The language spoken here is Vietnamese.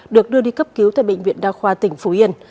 được đưa đi cấp cứu tại bệnh viện đa khoa tỉnh phú yên